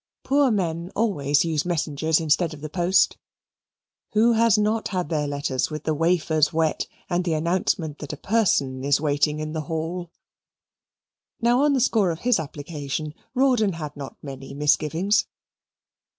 Poor men always use messengers instead of the post. Who has not had their letters, with the wafers wet, and the announcement that a person is waiting in the hall? Now on the score of his application, Rawdon had not many misgivings.